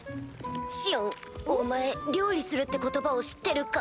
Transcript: シオンお前料理するって言葉を知ってるか？